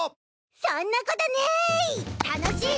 そんなことねい！